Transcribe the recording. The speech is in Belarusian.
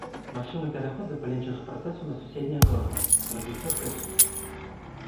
Магчымы пераход запаленчага працэсу на суседнія органы, развіццё сепсісу.